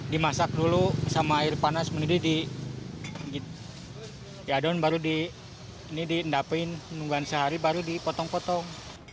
dimasak dulu sama air panas mendidih di adon baru ini diendapin nungguan sehari baru dipotong potong